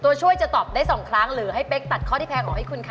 ตัวช่วยจะตอบได้๒ครั้งหรือให้เป๊กตัดข้อที่แพงออกให้คุณคะ